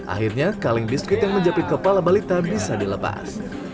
akhirnya kaleng biskuit yang menjepit kepala balita bisa dilepas